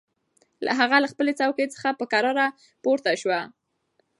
هغه له خپلې څوکۍ څخه په کراره پورته شوه.